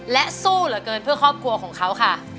และสู้เหลือเกินเพื่อครอบครัวของเขาค่ะ